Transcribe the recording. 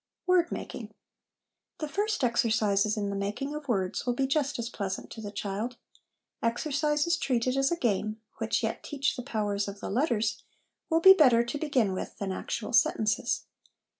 Word making. The first exercises in the making of words will be just as pleasant to the child. Exercises treated as a game, which yet teach the powers of the letters, will be better to begin with than actual sentences.